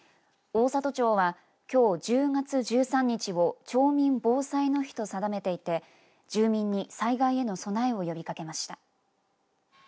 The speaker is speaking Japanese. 大郷町は、きょう１０月１３日を町民防災の日と定めていて住民に災害への備えを呼びかけました。